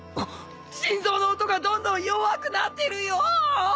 心臓の音がどんどん弱くなってるよぉ！